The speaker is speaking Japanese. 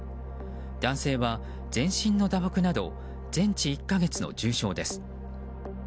男性は全身の打撲など全治１か月の重傷です。